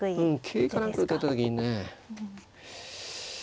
桂か何か打たれた時に。